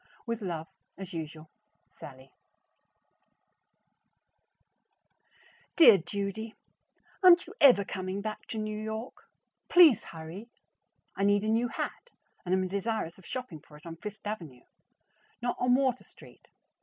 With love, as usual, SALLIE. Dear Judy: Aren't you ever coming back to New York? Please hurry! I need a new hat, and am desirous of shopping for it on Fifth Avenue, not on Water Street.